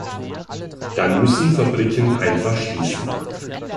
Dann müssen Fabriken einfach schließen.